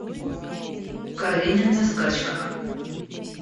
Каренин на скачках.